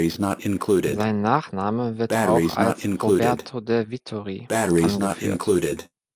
Sein Nachname wird auch als "Roberto de‘ Vittori" angeführt.